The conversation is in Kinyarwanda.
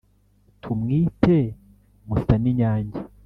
tumwite musaninyange